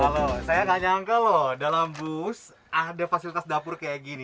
halo saya gak nyangka loh dalam bus ada fasilitas dapur kayak gini